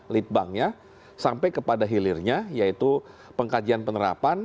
lead banknya sampai kepada hilirnya yaitu pengkajian penerapan